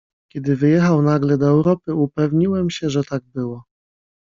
"Kiedy wyjechał nagle do Europy, upewniłem się, że tak było."